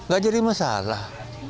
gak jadi masalah